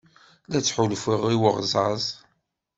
La ttḥulfuɣ i uɣẓaẓ.